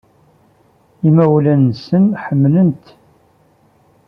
Imawlan-nsen ḥemmlen-tt.